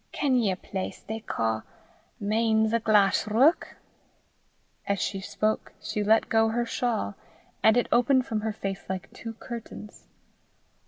"Ken ye a place they ca' Mains o' Glashruach?" As she spoke she let go her shawl, and it opened from her face like two curtains.